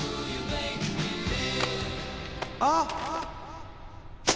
あっ！